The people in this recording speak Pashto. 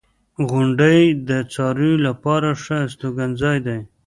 • غونډۍ د څارویو لپاره ښه استوګنځای دی.